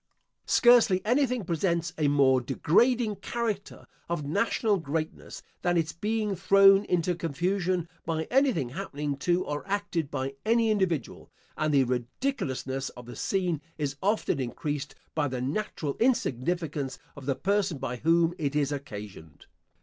Scarcely anything presents a more degrading character of national greatness, than its being thrown into confusion, by anything happening to or acted by any individual; and the ridiculousness of the scene is often increased by the natural insignificance of the person by whom it is occasioned.